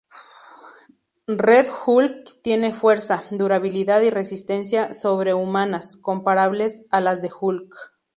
Red Hulk tiene fuerza, durabilidad y resistencia sobrehumanas, comparables a las de Hulk.